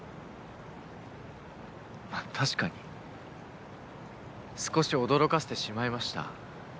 まぁ確かに少し驚かせてしまいました。